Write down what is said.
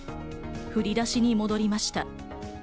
振り出しに戻りました。